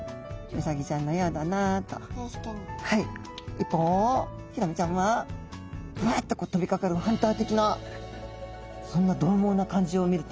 一方ヒラメちゃんはバッと飛びかかるハンター的なそんなどう猛な感じを見ると。